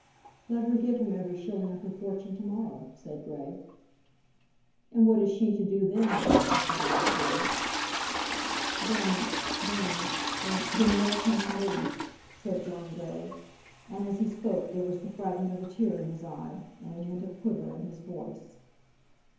"Let her give him every shilling of her fortune to morrow," said Grey. "And what is she to do then?" asked Mr. Vavasor. "Then then, then, then let her come to me," said John Grey; and as he spoke there was the fragment of a tear in his eye, and the hint of quiver in his voice. [Illustration: "Then then, then let her come to me."